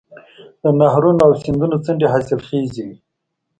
د نهرونو او سیندونو څنډې حاصلخیزې وي.